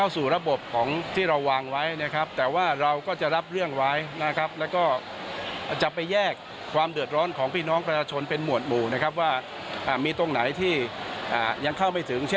สมมติว่าเป็นเรื่องของพมนะครับ